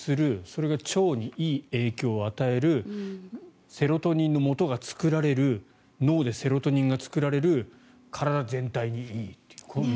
それが腸にいい影響を与えるセロトニンのもとが作られる脳でセロトニンが作られる体全体にいいという。